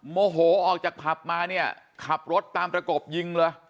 โมโหออกจากผับมาเนี่ยขับรถตามประกบยิงเลย